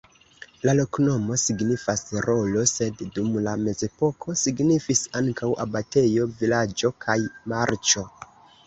La loknomo signifas: rolo, sed dum la mezepoko signifis ankaŭ abatejo, vilaĝo kaj marĉo.